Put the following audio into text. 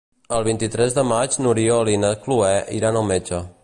El vint-i-tres de maig n'Oriol i na Cloè iran al metge.